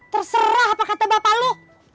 terserah apa kata bapak lu